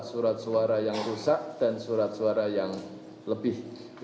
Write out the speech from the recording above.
surat suara yang rusak dan surat suara yang lebih